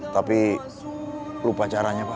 tapi lupa caranya pak